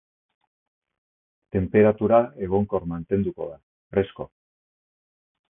Tenperatura egonkor mantenduko da, fresko.